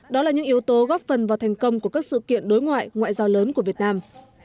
đó là những yếu tố góp phần vào thành công của các sự kiện đối ngoại ngoại giao lớn của việt nam